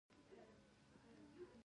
افغانستان د ټولو افغانانو ګډ کور دی